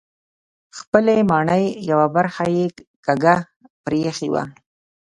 خپلې ماڼۍ یوه برخه یې کږه پرېښې وه.